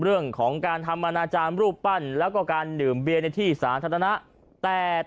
เรื่องของการทำอนาจารย์รูปปั้นแล้วก็การดื่มเบียในที่สาธารณะแต่